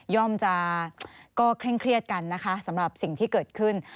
จะก็เคร่งเครียดกันนะคะสำหรับสิ่งที่เกิดขึ้น